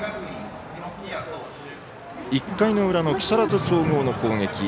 １回の裏の木更津総合の攻撃。